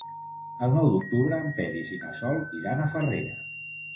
El nou d'octubre en Peris i na Sol iran a Farrera.